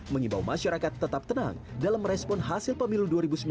mengimbau masyarakat tetap tenang dalam merespon hasil pemilu dua ribu sembilan belas